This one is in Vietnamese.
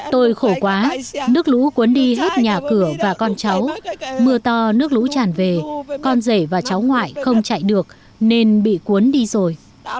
tôi khổ quá nước lũ cuốn đi hết nhà cửa và con cháu mưa to nước lũ tràn về con rể và cháu ngoại không chạy được nên bị cuốn đi rồi